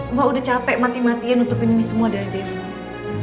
mbak udah capek mati matian nutupin mie semua dari dave